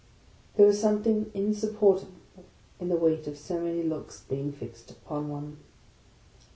There is something insupportable in the weight of so many looks being fixed upon one.